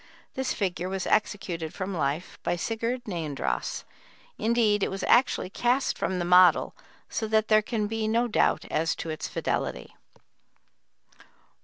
This figure was executed from life by Sigurd Neandross; indeed it was actually cast from the model, so that there can be no doubt as to its fidelity.